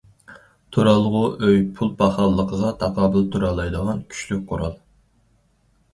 تۇرالغۇ ئۆي پۇل پاخاللىقىغا تاقابىل تۇرالايدىغان كۈچلۈك قورال.